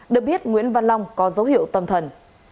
được biết nguyễn văn long có dấu hiệu tâm thần